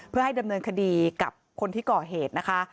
เพื่อให้ดำเนินคดีกับคนที่ก่อเหตุนะคะ